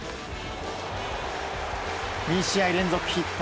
２試合連続ヒット。